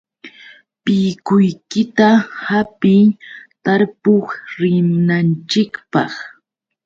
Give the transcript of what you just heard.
Pikuykita hapiy, tarpuq rinanchikpaq.